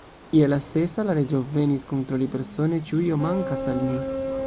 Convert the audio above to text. Je la sesa, la Reĝo venis kontroli persone, ĉu io mankas al ni.